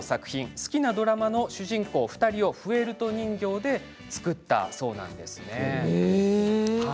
好きなドラマの主人公２人をフェルト人形で作ったそうなんです。